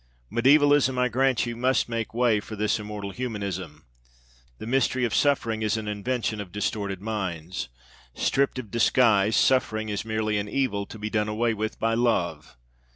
Mediævalism, I grant you, must make way for this immortal humanism. The 'mystery of suffering' is an invention of distorted minds. Stripped of disguise, suffering is merely an evil to be done away with by Love.